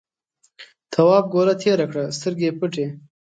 تواب گوله تېره کړه سترګې یې پټې.